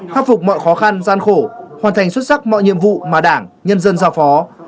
khắc phục mọi khó khăn gian khổ hoàn thành xuất sắc mọi nhiệm vụ mà đảng nhân dân giao phó